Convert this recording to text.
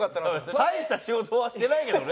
大した仕事はしてないけどね。